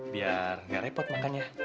biar gak repot makan ya